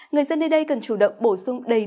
người dân nơi đây cần chủ động bổ sung đầy đủ